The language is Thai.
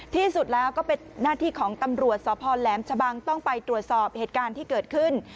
ที่สุดแล้วก็เป็นหน้าที่ของตำรวจสพแหลมชะบังต้องไปตรวจสอบเหตุการณ์ที่เกิดขึ้น